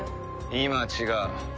今は違う。